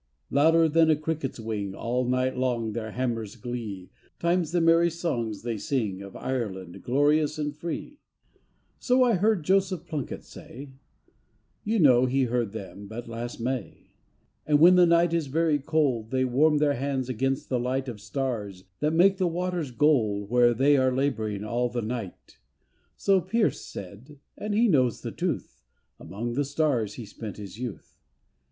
Louder than a cricket's wing All night long their hammer's glee Times the merry songs they sing Of Ireland glorious and free. So I heard Joseph Plunkett say, You know he heard them but last May. And when the night is very cold They warm their hands against the light 250 AT CURRABWEE 251 Of Stars that make the waters gold Where they are labouring all the night. So Pearse said, and he knew the truth, Among the stars he spent his youth.